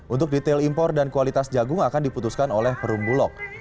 untuk detail impor dan kualitas jagung akan diputuskan oleh perumbulok